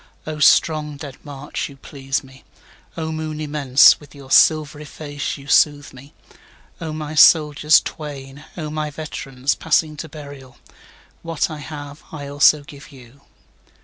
8O strong dead march, you please me!O moon immense, with your silvery face you soothe me!O my soldiers twain! O my veterans, passing to burial! What I have I also give you.